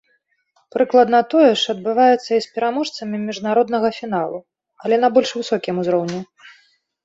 Прыкладна тое ж адбываецца і з пераможцамі міжнароднага фіналу, але на больш высокім узроўні.